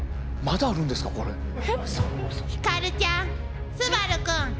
ひかるちゃん昴君。